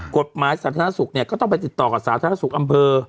สาธารณสุขเนี่ยก็ต้องไปติดต่อกับสาธารณสุขอำเภอ